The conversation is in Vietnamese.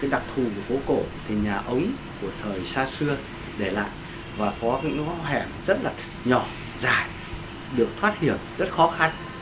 đặc thù của phố cổ là nhà ống của thời xa xưa để lại và có những hẻm rất nhỏ dài được thoát hiểm rất khó khăn